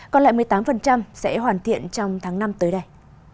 còn lại một mươi tám sẽ hoàn thiện trong tháng năm tới đây